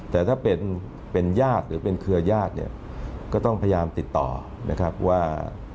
แต่ถ้าเป็นญาติหรือเป็นเครือญาติเนี่ยก็ต้องพยายามติดต่อนะครับว่า